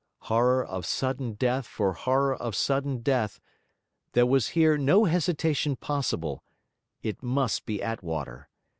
Horror of sudden death for horror of sudden death, there was here no hesitation possible: it must be Attwater.